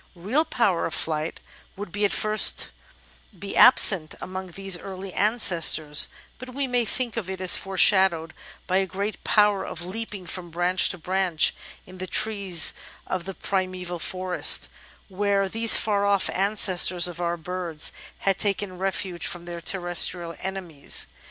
Real power of flight would at first be absent among these early ancestors, but we may think of it as foreshadowed by a great power of leaping from branch to branch in the trees of the primeval forest, where these far off ancestors of our birds had taken refuge from their terrestrial enemies.